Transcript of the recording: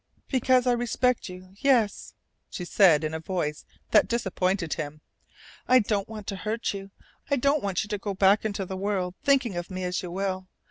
"Because I respect you, yes," she said in a voice that disappointed him. "I don't want to hurt you. I don't want you to go back into the world thinking of me as you will.